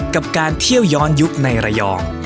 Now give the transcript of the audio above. กับการเที่ยวย้อนยุคในระยอง